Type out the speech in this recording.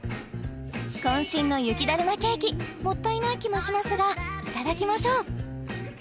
こん身の雪だるまケーキもったいない気もしますがいただきましょう！